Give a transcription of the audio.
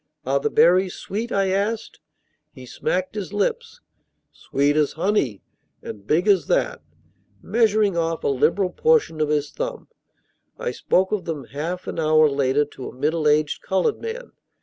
"Are the berries sweet?" I asked. He smacked his lips. "Sweet as honey, and big as that," measuring off a liberal portion of his thumb. I spoke of them half an hour later to a middle aged colored man.